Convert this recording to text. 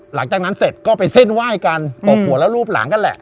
หลังจากนั้นเสร็จก็ไปเส้นไหว้กันตบหัวแล้วรูปหลังกันแหละ